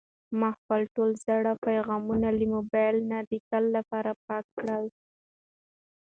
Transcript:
ما خپل ټول زاړه پیغامونه له موبایل نه د تل لپاره پاک کړل.